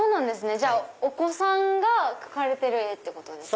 じゃあお子さんが描かれてる絵ってことですか？